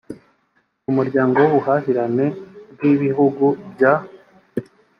muryango w ubuhahirane bw ibihugu bya